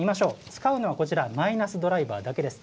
使うのはこちら、マイナスドライバーだけです。